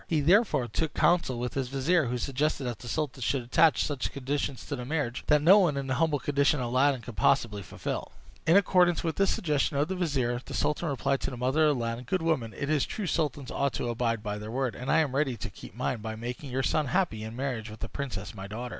He therefore took counsel with his vizier, who suggested that the sultan should attach such conditions to the marriage that no one in the humble condition of Aladdin could possibly fulfil. In accordance with this suggestion of the vizier, the sultan replied to the mother of Aladdin: "Good woman, it is true sultans ought to abide by their word, and I am ready to keep mine, by making your son happy in marriage with the princess my daughter.